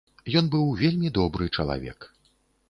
Ён быў вельмі добры чалавек.